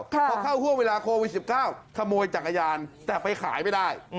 พอเข้าห่วงเวลาโควิด๑๙ขโมยจักรยานแต่ไปขายไม่ได้